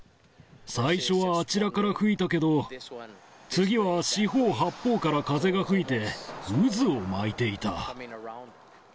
最初はあちらから吹いたけど、次は四方八方から風が吹いて、渦を巻いていた。